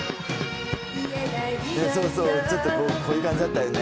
そうそうちょっとこういう感じだったよね